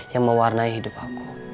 yang mewarnai hidup aku